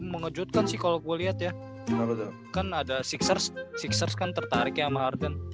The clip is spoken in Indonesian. mengejutkan sih kalau gue lihat ya kan ada sixers sixers kan tertarik yang menghargai